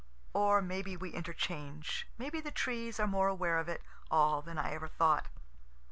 (Or may be we interchange may be the trees are more aware of it all than I ever thought.)